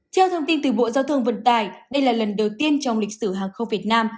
theo thông tin từ bộ giao thông vận tải đây là lần đầu tiên trong lịch sử hàng không việt nam